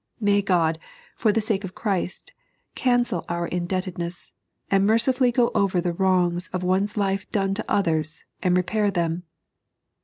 May God, for the sake of Christ, cancel our indebted ness, and mercifully go over the wrongs of one's life done to others and repair them